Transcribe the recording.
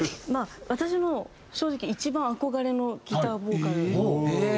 私の正直一番憧れのギターボーカルが和田さんで。